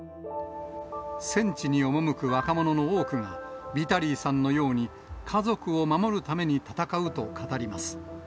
戦地に赴く若者の多くが、ビタリーさんのように、家族を守るために戦うと語ります。